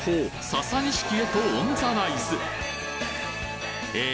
ササニシキへとオンザライスえ